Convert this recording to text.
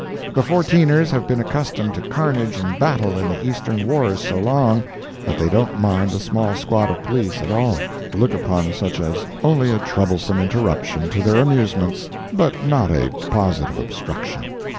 The Fourteeners have been accustomed to carnage and battle in the Eastern wars so long, that they don't mind a small squad of police at all—look upon such as only a troublesome interruption to their amusements, but not a positive obstruction.